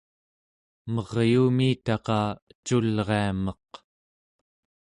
meryuumiitaqa eculria meq